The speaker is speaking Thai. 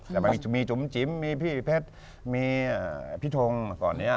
แต่มันมีจุ๋มจิ๋มมีพี่เพชรมีพี่ทงก่อนนี้